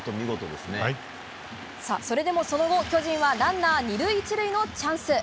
それでもその後、巨人はランナー２塁１塁のチャンス。